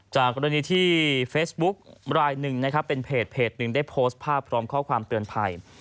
กรณีที่เฟซบุ๊กรายหนึ่งนะครับเป็นเพจหนึ่งได้โพสต์ภาพพร้อมข้อความเตือนภัย